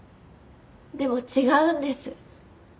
でも違うんです。